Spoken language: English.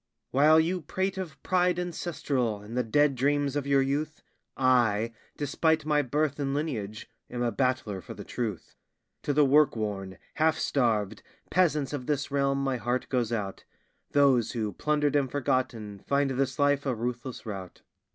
While you prate of pride ancestral and the dead dreams of your youth, I, despite my birth and lineage, am a battler for the truth. To the work worn, half starved peasants of this realm my heart goes out Those who, plundered and forgotten, find this life a ruthless rout.